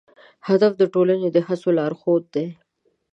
هدف د ټولنې د هڅو لارښود دی.